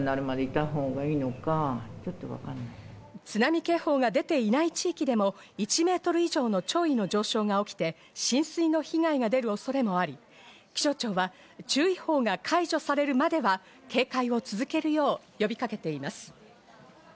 津波警報が出ていない地域でも１メートル以上の潮位の上昇が起きて、浸水の被害が出る恐れがあり、気象庁は注意報が解除されるまでは警戒を続けるよう呼びかけています。